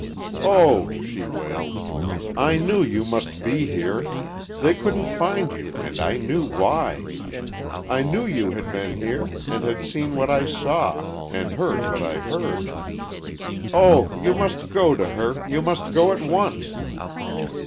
"Oh," she wailed, "I knew you must be here. They couldn't find you, and I knew why. I knew you had been here, and had seen what I saw, and heard what I heard. Oh, you must go to her you must go at once!"